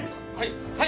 はい。